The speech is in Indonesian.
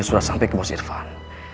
sudah sampai ke mas irfan